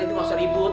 itu nggak usah ribut